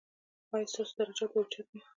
ایا ستاسو درجات به اوچت وي؟